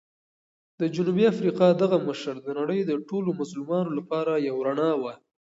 د جنوبي افریقا دغه مشر د نړۍ د ټولو مظلومانو لپاره یو رڼا وه.